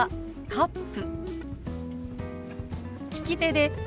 「カップ」。